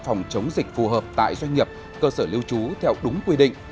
phòng chống dịch phù hợp tại doanh nghiệp cơ sở lưu trú theo đúng quy định